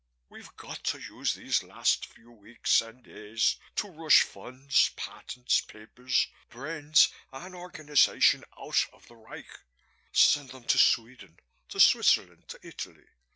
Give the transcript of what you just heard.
We've got to use these last few weeks and days to rush funds, patents, papers, brains and organization out of the Reich. Send them to Sweden, to Switzerland, to Italy.